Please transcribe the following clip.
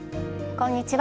こんにちは。